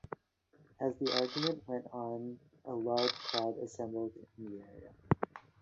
As the argument went on, a large crowd assembled in the area.